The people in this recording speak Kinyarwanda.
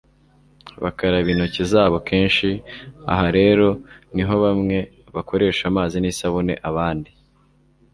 bakaraba intoki zabo kenshi. Aha rero ni ho bamwe bakoresha amazi n'isabune abandi